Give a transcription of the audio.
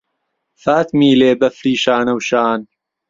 فاتمیلێ بەفری شانەوشان